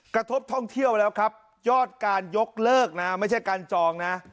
กระทบท่องเที่ยวแล้วครับยอดการยกเลิกนะไม่ใช่การจองนะ